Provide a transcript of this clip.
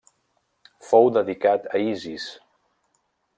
Fou dedicat a Isis.